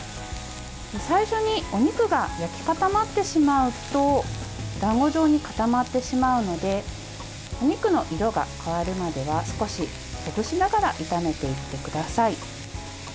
最初にお肉が焼き固まってしまうとだんご状に固まってしまうのでお肉の色が変わるまでは少し、ほぐしながら炒めていってください。